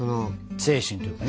精神というかね。